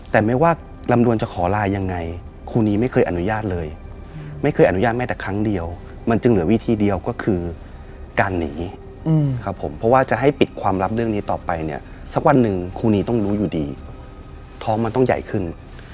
แต่ไม่ว่าลำดวนจะขอลายังไงครูนีไม่เคยอนุญาตเลยไม่เคยอนุญาตแม่แต่ครั้งเดียวมันจึงเหลือวิธีเดียวก็คือการหนีครับผมเพราะว่าจะให้ปิดความลับเรื่องนี้ต่อไปเนี่ยสักวันหนึ่งครูนีต้องรู้อยู่ดีท้องมันต้องใหญ่ขึ้น